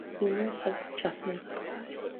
Numerous other adjustments apply.